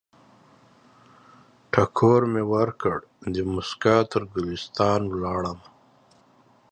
ټکور مې ورکړ، دموسکا تر ګلستان ولاړمه